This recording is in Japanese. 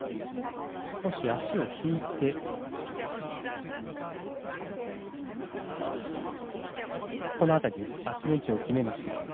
少し足を引いて足の位置を決めました。